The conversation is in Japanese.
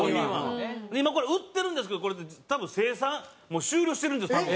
で今これ売ってるんですけどこれ多分生産もう終了してるんです多分。